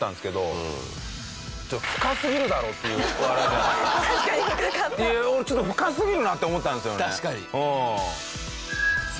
俺ちょっと深すぎるなって思ったんですよね。